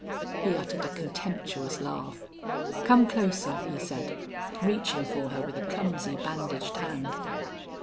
He uttered a contemptuous laugh. "Come closer," he said, reaching for her with a clumsy bandaged hand.